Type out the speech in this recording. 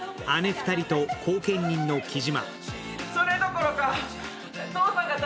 ２人と後見人の城島。